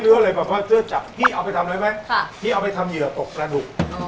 หรืออะไรแบบว่าเจ้าจับพี่เอาไปทำอะไรไหมค่ะพี่เอาไปทำเหยื่อตกกระหนุอ๋อ